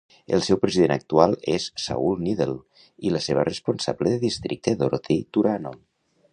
El seu president actual és Saul Needle i la seva responsable de districte Dorothy Turano.